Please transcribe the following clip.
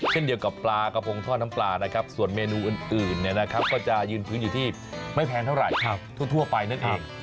เช่นเดียวกับปลากระพงทอดน้ำปลานะครับส่วนเมนูอื่นก็จะยืนพื้นอยู่ที่ไม่แพงเท่าไหร่ทั่วไปนั่นเอง